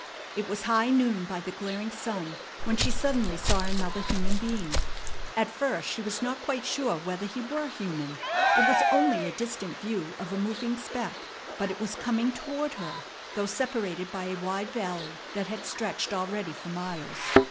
It was high noon by the glaring sun when she suddenly saw another human being. At first she was not quite sure whether he were human. It was only a distant view of a moving speck; but it was coming toward her, though separated by a wide valley that had stretched already for miles.